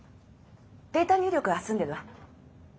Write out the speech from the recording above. データ入力は済んでるわ。